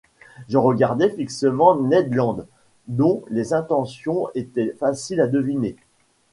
Je regardai fixement Ned Land, dont les intentions étaient faciles à deviner.